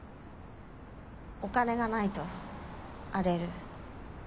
お金がないと荒れる。